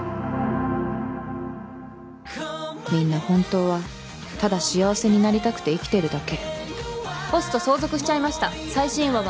みんな本当はただ幸せになりたくて生きてるだけ。